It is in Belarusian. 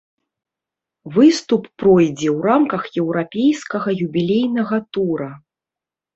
Выступ пройдзе ў рамках еўрапейскага юбілейнага тура.